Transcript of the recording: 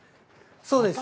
そうですね。